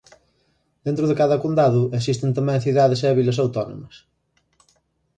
Dentro de cada condado existen tamén cidades e vilas autónomas.